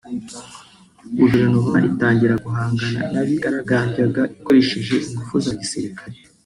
guverinoma itangira guhangana n’abigaragambyaga ikoresheje ingufu za gisirikare